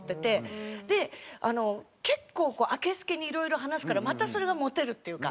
で結構あけすけにいろいろ話すからまたそれがモテるっていうか。